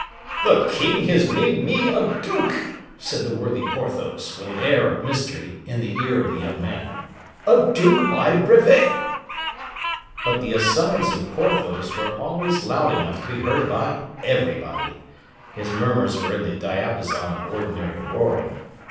"The king has made me a duke," said the worthy Porthos, with an air of mystery, in the ear of the young man, "a duke by brevet." But the asides of Porthos were always loud enough to be heard by everybody. His murmurs were in the diapason of ordinary roaring.